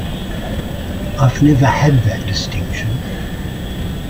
I've never had that distinction.